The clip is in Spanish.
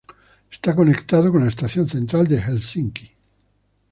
Está conectada con la Estación Central de Helsinki.